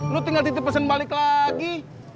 lo tinggal titin pesen balik lagi